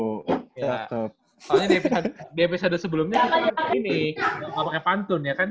soalnya di episode sebelumnya kita harus begini gak pake pantun ya kan